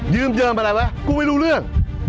ยืมเยิมอะไรวะกูไม่รู้เรื่อง